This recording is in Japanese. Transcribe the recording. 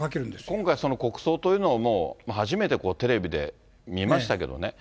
今回、国葬というのを初めてテレビで見ましたけどね。